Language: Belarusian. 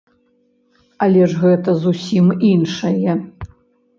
Але ж гэта зусім іншае.